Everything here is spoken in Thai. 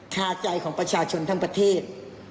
คาใจของประชาชนทั้งประเทศ